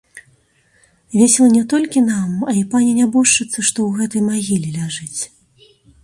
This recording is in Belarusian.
Весела не толькі нам, а і пані нябожчыцы, што ў гэтай магіле ляжыць.